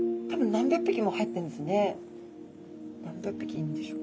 何百匹いるんでしょう？